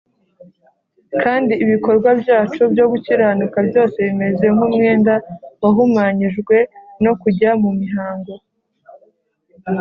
Kandi ibikorwa byacu byo gukiranuka byose bimeze nk umwenda wahumanyijwe no kujya mu mihango